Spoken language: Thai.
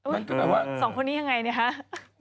มันก็แบบว่าสองคนนี้ยังไงเนี่ยฮะ